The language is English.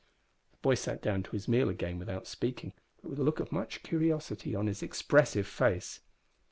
The boy sat down to his meal again without speaking, but with a look of much curiosity on his expressive face.